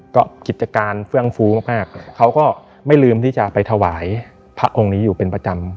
ก็กิจการเฟื่องฟูมากเขาก็ไม่ลืมที่จะไปถวายพระองค์นี้อยู่เป็นประจำ